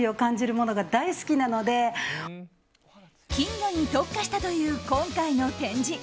金魚に特化したという今回の展示。